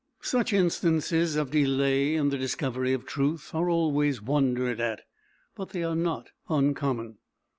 Such instances of delay in the discovery of truth are always wondered at, but they are not uncommon.